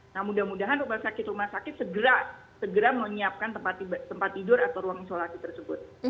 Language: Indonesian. nah mudah mudahan rumah sakit rumah sakit segera menyiapkan tempat tidur atau ruang isolasi tersebut